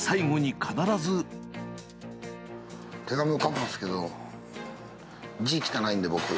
手紙を書くんですけど、字汚いんで、僕。